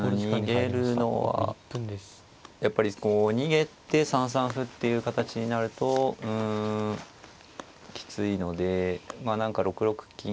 逃げるのはやっぱりこう逃げて３三歩っていう形になるとうんきついのでまあ何か６六金。